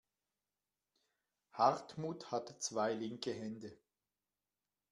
Hartmut hat zwei linke Hände.